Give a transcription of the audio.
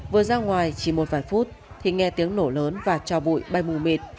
vừa ra ngoài chỉ một vài phút thì nghe tiếng nổ lớn và cho bụi bay mù mịt